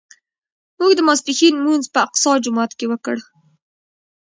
موږ د ماسپښین لمونځ په اقصی جومات کې وکړ.